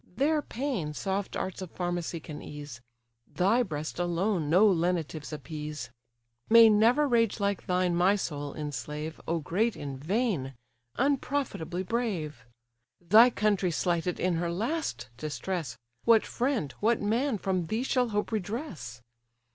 Their pain soft arts of pharmacy can ease, Thy breast alone no lenitives appease. May never rage like thine my soul enslave, O great in vain! unprofitably brave! Thy country slighted in her last distress, What friend, what man, from thee shall hope redress?